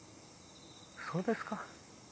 そうですか。